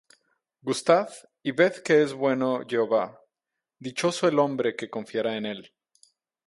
Gustad, y ved que es bueno Jehová: Dichoso el hombre que confiará en él.